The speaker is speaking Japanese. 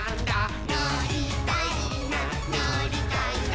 「のりたいなのりたいな」